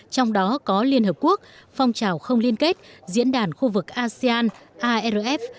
trong đó có liên hợp quốc phong trào không liên kết diễn đàn khu vực asean arf